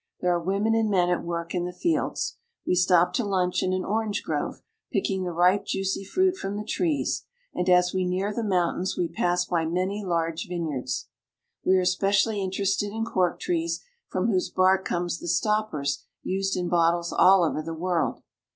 There are women and men at work in the fields. We stop to lunch in an orange grove, picking the ripe juicy fruit from the trees, and as we near the mountains we pass by many large vineyards. We are especially interested in cork trees, from whose bark come the stoppers used in bottles all over the world.